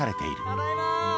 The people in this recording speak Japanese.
ただいま。